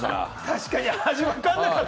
確かに味はわかんなかった。